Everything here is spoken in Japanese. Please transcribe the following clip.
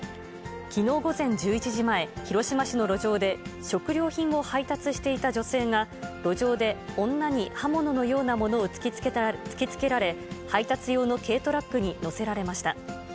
きのう午前１１時前、広島市の路上で、食料品を配達していた女性が、路上で女に刃物のようなものを突きつけられ、配達用の軽トラックに乗せられました。